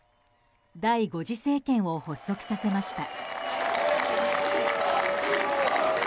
第５次政権を発足させました。